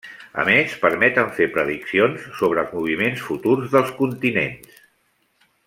A més, permeten fer prediccions sobre els moviments futurs dels continents.